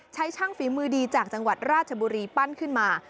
ช่างฝีมือดีจากจังหวัดราชบุรีปั้นขึ้นมา